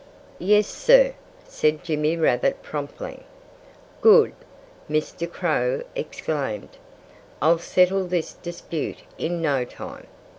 "Yes, sir!" said Jimmy Rabbit promptly. "Good!" Mr. Crow exclaimed. "I'll settle this dispute in no time.